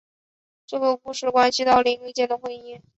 这个故事关系到林瑞间的婚姻。